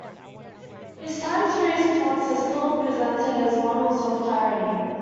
His time-series plots are still presented as models of clarity.